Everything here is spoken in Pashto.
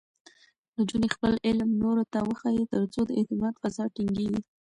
نجونې خپل علم نورو ته وښيي، ترڅو د اعتماد فضا ټینګېږي.